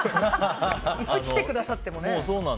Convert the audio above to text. いつ来てくださってもね。